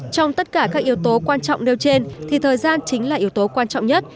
trong tất cả các yếu tố quan trọng nêu trên thì thời gian chính là yếu tố quan trọng nhất